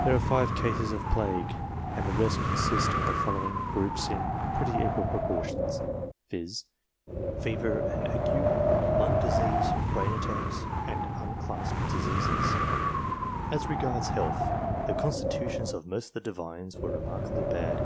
There are five cases of plague, and the rest consist of the following groups in pretty equal proportions, viz. fever and ague, lung disease, brain attacks, and unclassed diseases. As regards health, the constitutions of most of the Divines were remarkably bad.